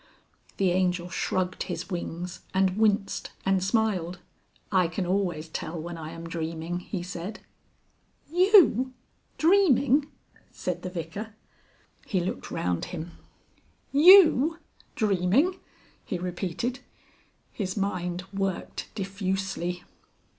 The Angel shrugged his wings and winced and smiled. "I can always tell when I am dreaming," he said. "You dreaming," said the Vicar. He looked round him. "You dreaming!" he repeated. His mind worked diffusely.